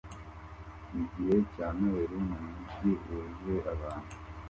Igihe cya Noheri mumujyi wuzuye abantu